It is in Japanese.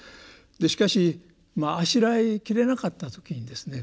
しかしあしらいきれなかった時にですね